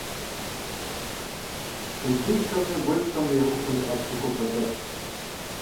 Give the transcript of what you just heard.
Тенджызхэмрэ гуэлхэмрэ я Ӏуфэхэр зыгъэпсэхупӀэ дэгъуэщ.